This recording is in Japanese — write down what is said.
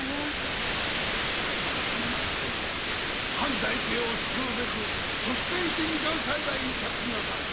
三年前殿は藩財政を救うべく率先してミカン栽培に着手なされた。